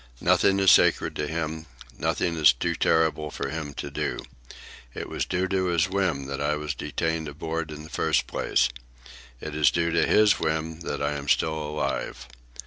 Nothing is sacred to him, nothing is too terrible for him to do. It was due to his whim that I was detained aboard in the first place. It is due to his whim that I am still alive.